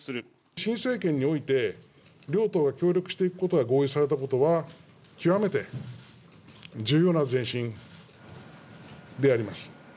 新政権において、両党が協力していくことが合意されたことは、極めて重要な前進であります。